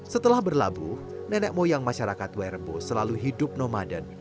setelah berlabuh nenek moyang masyarakat werebo selalu hidup nomaden